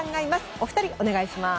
お二人、お願いします。